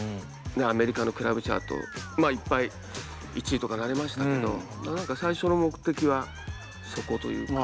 アメリカのクラブチャートいっぱい１位とかなりましたけど何か最初の目的はそこというか。